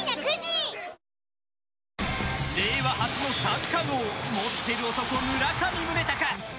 令和初の三冠王持ってる男、村上宗隆。